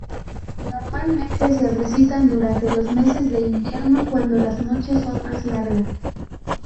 Normalmente se recitan durante los meses de invierno, cuando las noches son más largas.